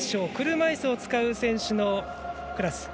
車いすを使う選手のクラス。